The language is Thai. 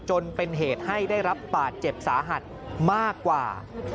จนเป็นเหตุให้ได้รับบาดเจ็บสาหัสมากกว่า